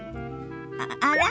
あら？